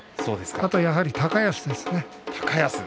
あとはやはり高安ですね。